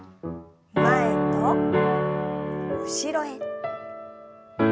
前と後ろへ。